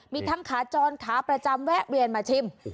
มีทั้งขาจรขาประจำแวะเวียนมาชิม